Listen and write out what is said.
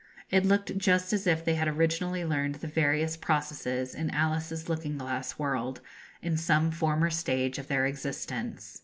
It looked just as if they had originally learned the various processes in 'Alice's Looking glass World' in some former stage of their existence.